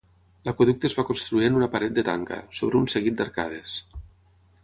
L'aqüeducte es va construir en una paret de tanca, sobre un seguit d'arcades.